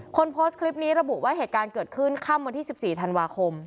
คนโพสต์คลิปนี้ระบุว่าเหตุการณ์เกิดขึ้นค่ำวันที่๑๔ธันวาคม